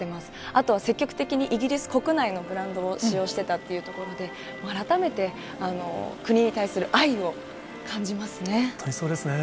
あとは積極的にイギリス国内のブランドを使用していたというところで、改めて、国に対する愛を感じますね。